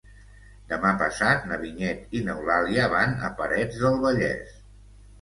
Demà passat na Vinyet i n'Eulàlia van a Parets del Vallès.